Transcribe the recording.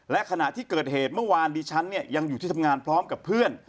และขณะที่เกิดเหตุเมื่อวานดิฉันเนี่ยยังอยู่ที่ทำงานพร้อมกับเพื่อน